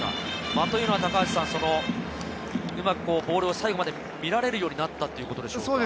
間というのは、ボールを最後まで見られるようになったということでしょうか？